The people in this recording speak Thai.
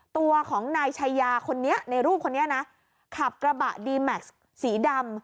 ตัวของนายชายาคนนี้ในรูปคนนี้นะขับกระบะดีแม็กซ์สีดำ